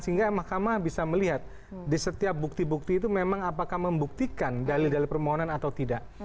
sehingga mahkamah bisa melihat di setiap bukti bukti itu memang apakah membuktikan dalil dalil permohonan atau tidak